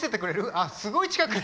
ああすごい近くに。